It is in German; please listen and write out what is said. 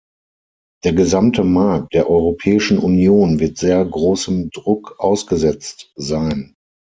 Der gesamte Markt der Europäischen Union wird sehr großem Druck ausgesetzt sein.